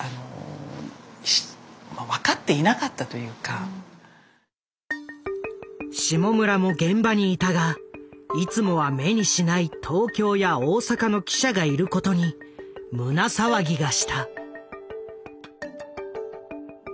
私たちは下村も現場にいたがいつもは目にしない東京や大阪の記者がいることに胸騒ぎがした。